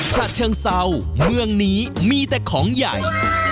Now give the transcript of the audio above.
ฉะเชิงเซาเมืองนี้มีแต่ของใหญ่